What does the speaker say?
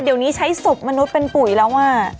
เดี๋ยวนี้ใช้ศพมนุษย์เป็นปุ๋ยแล้วอ่ะ